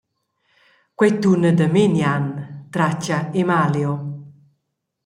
Quei tuna da Menian, tratga Emalio.